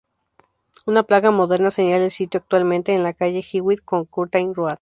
Una placa moderna señala el sitio actualmente, en la calle Hewett con Curtain Road.